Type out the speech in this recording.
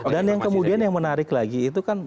dan yang kemudian yang menarik lagi itu kan